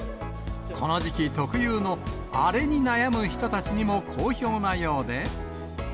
この時期特有のあれに悩む人たちにも好評なようで。